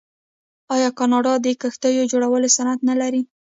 آیا کاناډا د کښتیو جوړولو صنعت نلري؟